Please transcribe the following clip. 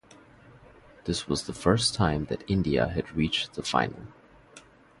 This was the first time that India had reached the final.